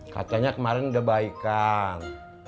katanya kemarin udah baik kan